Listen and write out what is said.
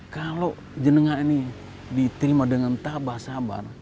kalau jenengah ini diterima dengan tabah sabar